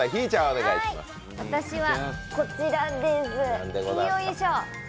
私はこちらです。